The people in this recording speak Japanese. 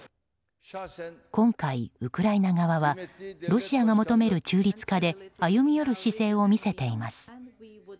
今回、ウクライナ側はロシアが求める中立化で歩み寄る姿勢を見せています。